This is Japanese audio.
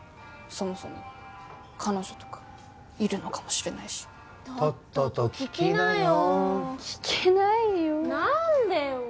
そもそも彼女とかいるのかもしれないしとっとと聞きなよ聞けないよ何でよ？